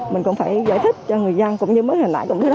mình cũng phải giải thích cho người dân cũng như mới hồi nãy cũng thế đó